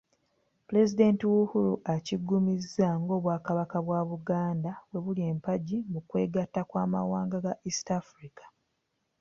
Pulezidenti Uhuru akiggumizza ng'Obwakabaka bwa Buganda bwe buli empagi mu kwegatta kw’amawanga ga East Africa.